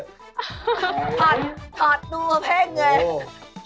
ถอดถอดตัวเพลงเลย